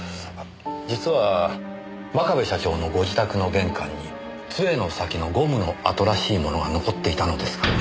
実は真壁社長のご自宅の玄関に杖の先のゴムの跡らしいものが残っていたのですがね。